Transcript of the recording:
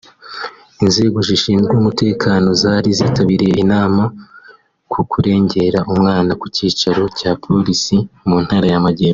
Inzego zishinzwe umutekano zari zitabiriye inama ku kurengera umwana ku cyicaro cya Polisi mu Ntara y’Amajyepfo